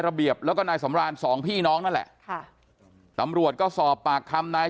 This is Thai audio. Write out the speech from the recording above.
ระเบียบแล้วก็นายสำรานสองพี่น้องนั่นแหละค่ะตำรวจก็สอบปากคำนาย